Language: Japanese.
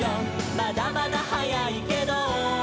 「まだまだ早いけど」